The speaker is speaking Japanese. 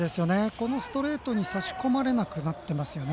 このストレートに差し込まれなくなっていますよね。